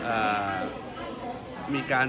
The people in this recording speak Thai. เอ่อมีการ